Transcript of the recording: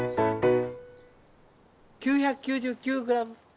９９９グラム。